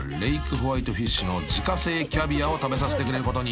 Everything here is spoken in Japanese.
ホワイトフィッシュの自家製キャビアを食べさせてくれることに］